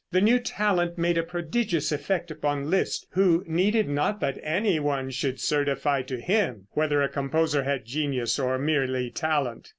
The new talent made a prodigious effect upon Liszt, who needed not that any one should certify to him whether a composer had genius or merely talent.